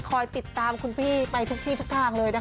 คอยติดตามคุณพี่ไปทุกที่ทุกทางเลยนะคะ